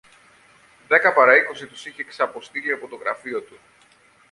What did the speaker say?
Δέκα πάρα είκοσι τους είχε ξαποστείλει από το γραφείο του